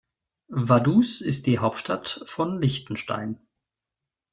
Vaduz ist die Hauptstadt von Liechtenstein.